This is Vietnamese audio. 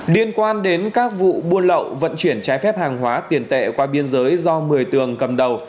liên quan đến các vụ buôn lậu vận chuyển trái phép hàng hóa tiền tệ qua biên giới do một mươi tường cầm đầu